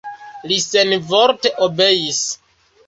Li senvorte obeis.